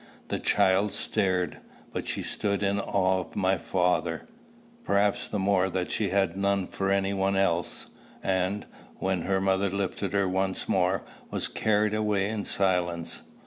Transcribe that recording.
The child stared; but she stood in awe of my father, perhaps the more that she had none for any one else, and, when her mother lifted her once more, was carried away in silence.